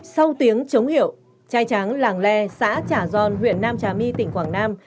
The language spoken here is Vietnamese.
sau tiếng chống hiểu trai tráng làng lè xã trả giòn huyện nam trà my tỉnh quảng nam